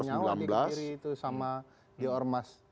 tapi tidak ada perbanyak lagi kebiri itu sama di ormas